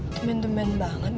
tumen tumen banget deh